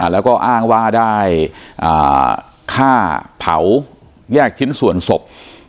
แล้วก็อ้างว่าได้ฆ่าเผาแยกชิ้นส่วนศพ